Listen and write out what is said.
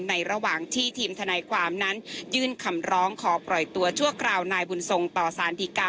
ระหว่างที่ทีมทนายความนั้นยื่นคำร้องขอปล่อยตัวชั่วคราวนายบุญทรงต่อสารดีกา